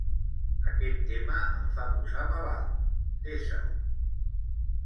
Aquest tema em fa posar malalt; desa-ho.